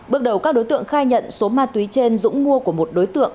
bước đầu các đối tượng khai nhận số ma túy trên dũng mua của một đối tượng